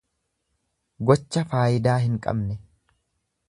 Gocha faayidaa hin qabne.